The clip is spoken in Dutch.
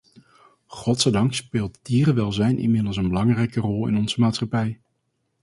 Godzijdank speelt dierenwelzijn inmiddels een belangrijke rol in onze maatschappij.